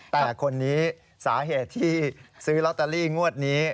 แต่คนนี้สาเหตุที่ซื้อลอตเตอรี่งวดนี้